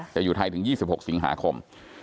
อยู่ไทยถึง๒๖สิงหาคม